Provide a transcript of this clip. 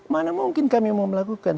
mana mungkin kami mau melakukan